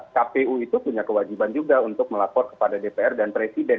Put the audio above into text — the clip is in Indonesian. kpu itu punya kewajiban juga untuk melapor kepada dpr dan presiden